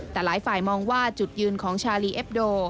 แต่หลายฝ่ายมองว่าจุดยืนของชาลีเอ็บโด